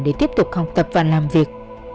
để tiếp tục học tập và làm việc